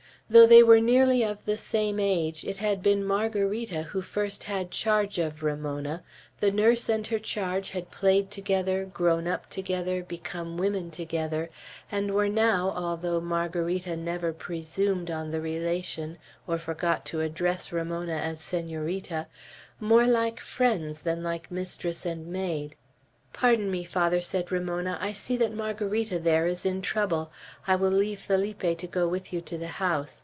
Though they were nearly of the same age, it had been Margarita who first had charge of Ramona; the nurse and her charge had played together, grown up together, become women together, and were now, although Margarita never presumed on the relation, or forgot to address Ramona as Senorita, more like friends than like mistress and maid. "Pardon me, Father," said Ramona. "I see that Margarita there is in trouble. I will leave Felipe to go with you to the house.